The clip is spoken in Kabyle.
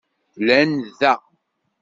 Llan da.